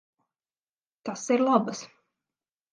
Tas ir labas.